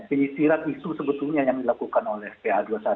penyisiran isu sebetulnya yang dilakukan oleh pa dua ratus dua belas